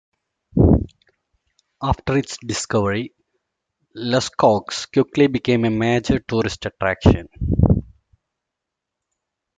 After its discovery, Lascaux quickly became a major tourist attraction.